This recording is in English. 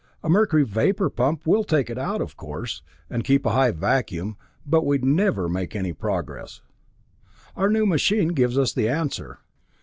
A mercury vapor pump will take it out, of course, and keep a high vacuum, but we'd never make any progress. "Our new machine gives us the answer.